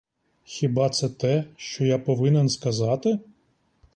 Хіба це те, що я повинен сказати?